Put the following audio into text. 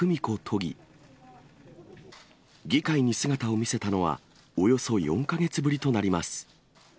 議会に姿を見せたのは、およそ４か月ぶりとなります。